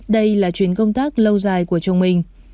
đây là chuyến công tác lâu dài của chồng mình